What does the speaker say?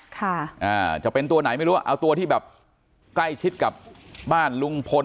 ค่ะอ่าจะเป็นตัวไหนไม่รู้เอาตัวที่แบบใกล้ชิดกับบ้านลุงพล